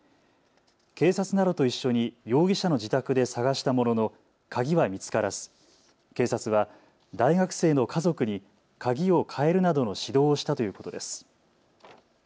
警察などと一緒に容疑者の自宅で探したものの鍵は見つからず警察は大学生の家族に鍵を替えるなどの指導をしたということです。